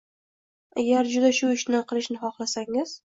Agar juda shu ishni qilishni xohlasangiz